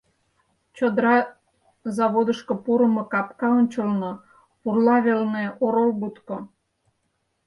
Чодыра заводышко пурымо капка ончылно, пурла велне, — орол будко.